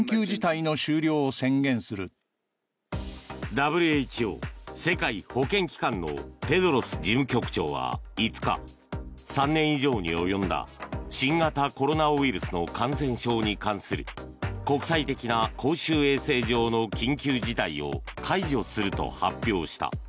ＷＨＯ・世界保健機関のテドロス事務局長は５日３年以上に及んだ新型コロナウイルスの感染症に関する国際的な公衆衛生上の緊急事態を解除すると発表した。